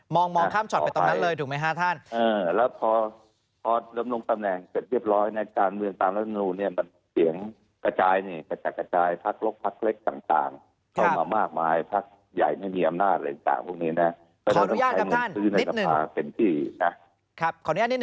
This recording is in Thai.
อ๋อมองคลามชอบไปตรงหน้าเลยถูกไหมฮะท่าน